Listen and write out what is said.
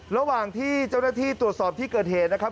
ระหว่างที่เจ้าหน้าที่ตรวจสอบที่เกิดเหตุนะครับ